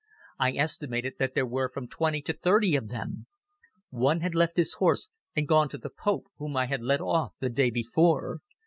I estimated that there were from twenty to thirty of them. One had left his horse and gone to the Pope whom I had let off the day before.